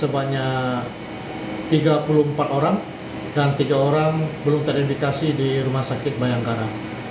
belum teridentifikasi di rumah sakit bayangkara